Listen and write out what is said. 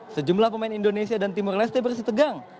sejumlah pemain indonesia dan timur leste bersih tegang